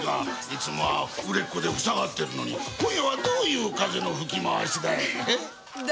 いつも売れっ子でふさがっているのに今夜はどういう風の吹き回しだい？